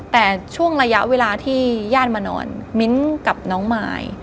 แต่ช่วงระยะเวลาที่ญาติมานอนมิ้นกับน้องมาย